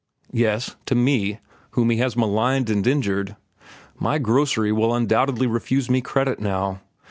"Yes, to me whom he has maligned and injured. My grocery will undoubtedly refuse me credit now.